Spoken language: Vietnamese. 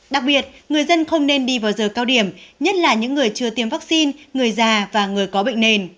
đặc biệt người dân không nên đi vào giờ cao điểm nhất là những người chưa tiêm vaccine người già và người có bệnh nền